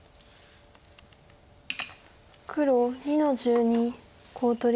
黒２の十二コウ取り。